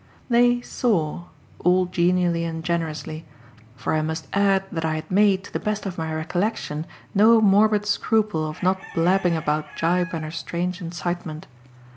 They "saw," all genially and generously for I must add that I had made, to the best of my recollection, no morbid scruple of not blabbing about Gyp and her strange incitement.